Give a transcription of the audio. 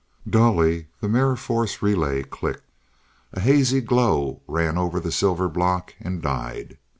Dully the mirror force relay clicked. A hazy glow ran over the silver block, and died.